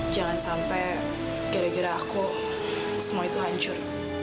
jangan sampai gara gara aku semua itu hancur